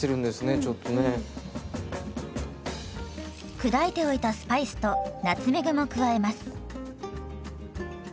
砕いておいたスパイスとナツメグも加えます。